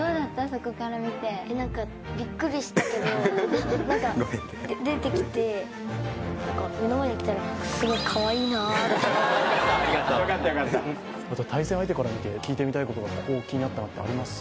そこから見て何かびっくりしたけど何か出てきて目の前に来たらありがとうよかったよかった対戦相手から見て聞いてみたいこととかここ気になったのってあります？